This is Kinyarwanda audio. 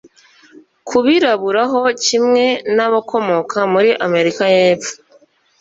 ku birabura ho kimwe n’abakomoka muri Amerika y’Epfo